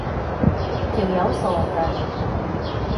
條友傻嘅